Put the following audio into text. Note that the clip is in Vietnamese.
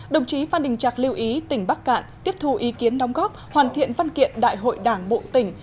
đồng chí phan đình trạc lưu ý tỉnh bắc cạn tiếp thu ý kiến đóng góp hoàn thiện văn kiện đại hội đảng bộ tỉnh